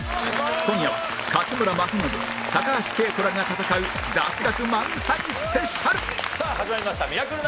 今夜は勝村政信高橋惠子らが戦う雑学満載スペシャルさあ始まりました『ミラクル９』。